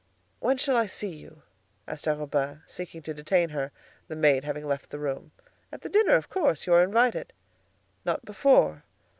"When shall I see you?" asked Arobin, seeking to detain her, the maid having left the room. "At the dinner, of course. You are invited." "Not before?